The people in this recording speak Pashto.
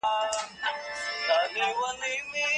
تلویزیون د هغې د ورځې یوازینی او خاموشه ملګری دی.